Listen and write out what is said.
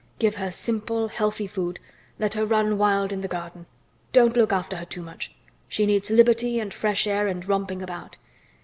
Give her simple, healthy food. Let her run wild in the garden. Don't look after her too much. She needs liberty and fresh air and romping about.